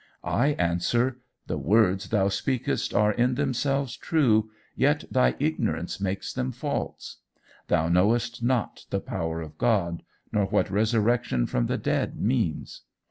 I answer: The words thou speakest are in themselves true, yet thy ignorance makes them false, Thou knowest not the power of God, nor what resurrection from the dead means.